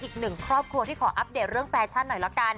อีกหนึ่งครอบครัวที่ขออัปเดตเรื่องแฟชั่นหน่อยละกัน